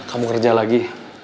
kamu kerja lagi